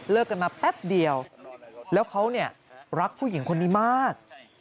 เลิกกันมาแป๊บเดียวแล้วเขารักผู้หญิงคนนี้มาก